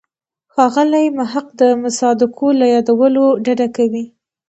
ښاغلی محق د مصادقو له یادولو ډډه کوي.